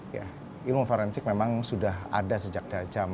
ya ilmu forensik memang sudah ada sejak zaman